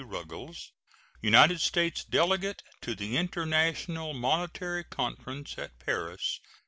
Ruggles, United States delegate to the International Monetary Conference at Paris, 1867.